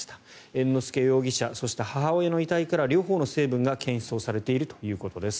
猿之助容疑者そして母親の遺体から両方の成分が検出されているということです。